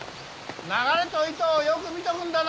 流れと糸をよく見とくんだな。